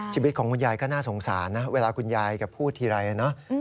ชีวิตของคุณยายก็น่าสงสารนะเวลาคุณยายแกพูดทีไรเนอะ